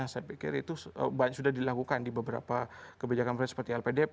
saya pikir itu sudah dilakukan di beberapa kebijakan seperti lpdp